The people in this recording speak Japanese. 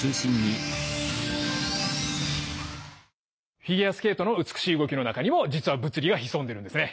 フィギュアスケートの美しい動きの中にも実は物理が潜んでるんですね。